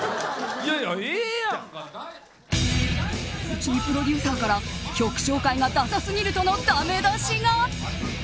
藤井プロデューサーから曲紹介がダサすぎるとのだめ出しが！